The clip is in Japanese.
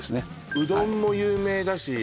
うどんも有名だし